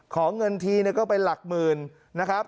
ขอเงินทีก็เป็นหลักหมื่นนะครับ